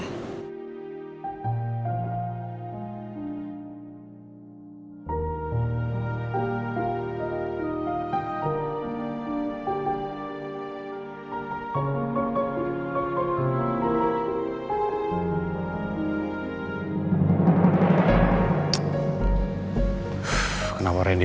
di tempat ini